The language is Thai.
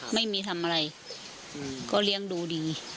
ไม่มีทำอะไรก็เลี้ยงดูดี